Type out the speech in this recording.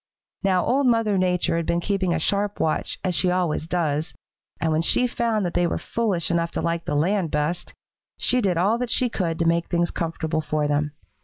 Now Old Mother Nature had been keeping a sharp watch, as she always does, and when she found that they were foolish enough to like the land best, she did all that she could to make things comfortable for them.